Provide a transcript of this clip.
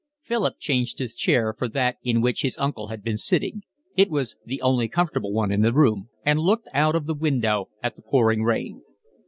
Philip changed his chair for that in which his uncle had been sitting (it was the only comfortable one in the room), and looked out of the window at the pouring rain.